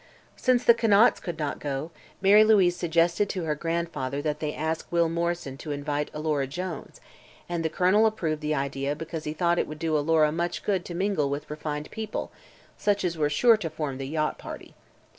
Since the Conants could not go, Mary Louise suggested to her grandfather that they ask Will Morrison to invite Alora Jones, and the Colonel approved the idea because he thought it would do Alora much good to mingle with refined people such as were sure to form the yacht party.